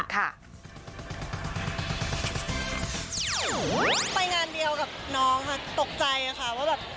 ไปงานเดียวกับน้องค่ะตกใจค่ะว่าแบบ